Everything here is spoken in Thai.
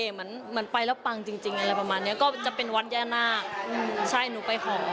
เหมือนเหมือนไปแล้วปังจริงอะไรประมาณเนี้ยก็จะเป็นวัดย่านาคใช่หนูไปหอ